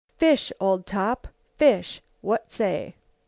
Fish, Old Top, fish! What say?"